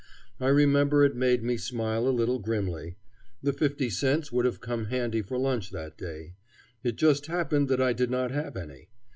I remember it made me smile a little grimly. The fifty cents would have come handy for lunch that day. It just happened that I did not have any.